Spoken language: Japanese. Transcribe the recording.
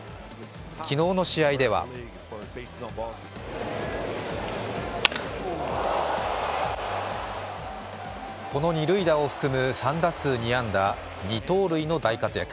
昨日の試合ではこの二塁打を含む３打数２安打２盗塁の大活躍。